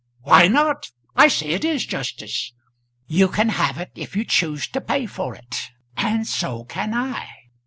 "Why not? I say it is justice. You can have it if you choose to pay for it, and so can I.